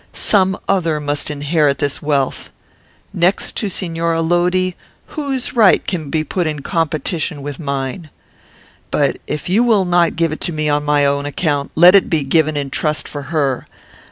Some other must inherit this wealth. Next to Signora Lodi, whose right can be put in competition with mine? But, if you will not give it to me on my own account, let it be given in trust for her.